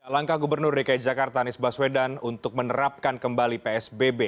langkah gubernur dki jakarta anies baswedan untuk menerapkan kembali psbb